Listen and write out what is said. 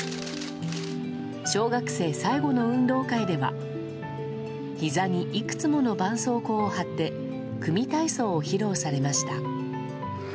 小学生最後の運動会ではひざにいくつものばんそうこうを貼って組体操を披露されました。